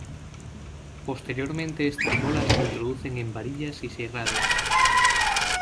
Posteriormente estas bolas se introducen en varillas y se irradian.